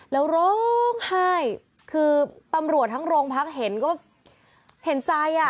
แล้วร้องไห้คือตำรวจทั้งโรงพักเห็นก็เห็นใจอ่ะ